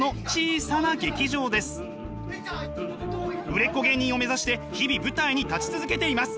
売れっ子芸人を目指して日々舞台に立ち続けています。